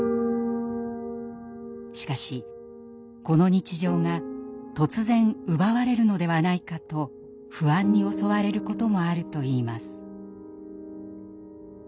しかしこの日常が突然奪われるのではないかと不安に襲われることもあるといいます。